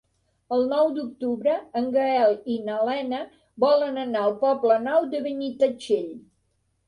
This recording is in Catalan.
El nou d'octubre en Gaël i na Lena volen anar al Poble Nou de Benitatxell.